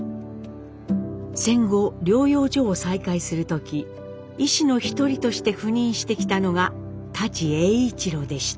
戦後療養所を再開する時医師の一人として赴任してきたのが舘栄一郎でした。